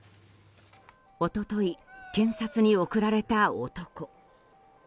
一昨日、検察に送られた男。